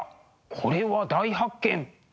これは大発見。